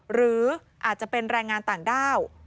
หรืออาจจะเป็นแรงงานต่างด้าว